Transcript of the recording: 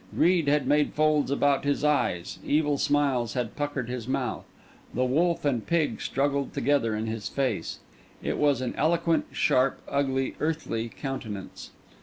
Greed had made folds about his eyes, evil smiles had puckered his mouth. The wolf and pig struggled together in his face. It was an eloquent, sharp, ugly, earthly countenance.